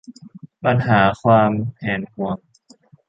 ปัญหาความแหนหวง